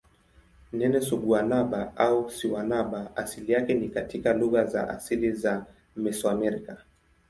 Neno siguanaba au sihuanaba asili yake ni katika lugha za asili za Mesoamerica.